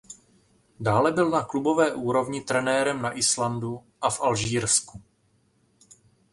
Dále byl na klubové úrovni trenérem na Islandu a v Alžírsku.